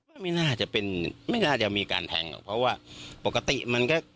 ไม่น่าจะเป็นไม่น่าจะมีการแทงหรอกเพราะว่าปกติมันก็